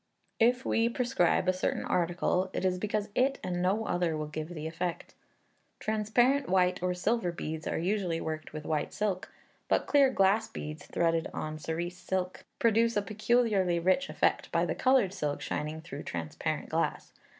If we prescribe a certain article, it is because it and no other will give the effect. Transparent, white, or silver beads are usually worked with white silk, but clear glass beads, threaded on cerise silk, produce a peculiarly rich effect by the coloured silk shining through transparent glass.